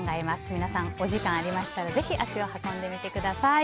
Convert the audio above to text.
皆さんお時間ありましたらぜひ足を運んでみてください。